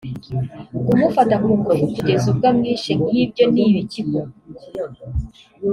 kumufata kungufu kugeza ubwo amwishe nkibyo n’ibiki koko